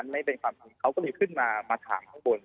ไม่เป็นขนาดนี้เขาก็เลยขึ้นมาถามพวกผม